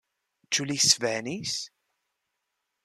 Ĉu li svenis?